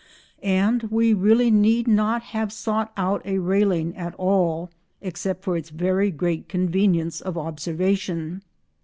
And we really need not have sought out a railing at all except for its very great convenience of observation.